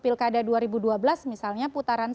pilkada dua ribu dua belas misalnya putaran